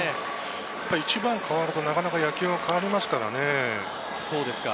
１番が変わるとなかなか野球が変わりますからね。